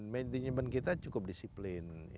manajemen kita cukup disiplin